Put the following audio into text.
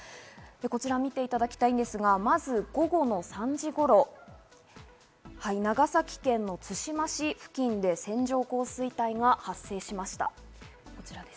こちら見ていただきたいですが、まず午後の３時頃、長崎県の対馬市付近で線状降水帯が発生しました。